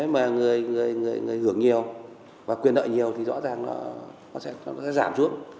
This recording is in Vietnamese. mà người hưởng nhiều và quyền nợ nhiều thì rõ ràng là nó sẽ giảm xuống